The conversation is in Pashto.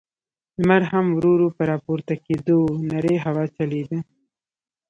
لمر هم ورو، ورو په راپورته کېدو و، نرۍ هوا چلېده.